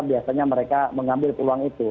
biasanya mereka mengambil peluang itu